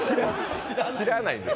知らないです。